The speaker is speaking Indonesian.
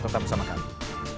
tetap bersama kami